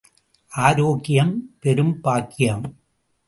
ஆரோக்கியம் பெரும் பாக்கியம்.